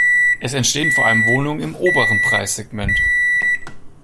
Es entstehen vor allem Wohnungen im oberen Preissegment.